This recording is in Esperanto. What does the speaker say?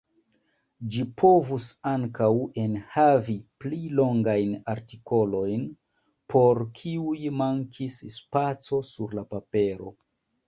Ĝi povus ankaŭ enhavi pli longajn artikolojn, por kiuj mankis spaco sur la papero.